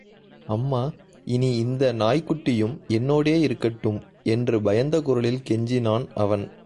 அம்மா, இனி இந்த நாய்க் குட்டியும் என்னோடே இருக்கட்டும்... என்று பயந்த குரலில் கெஞ்சினான் அவன்.